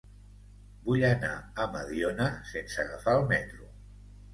Vull anar a Mediona sense agafar el metro.